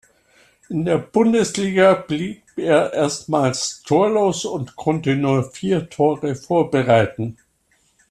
In der Bundesliga blieb er erstmals torlos und konnte nur vier Tore vorbereiten.